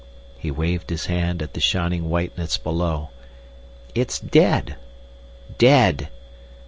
He waved his hand at the shining whiteness below. "It's dead—dead!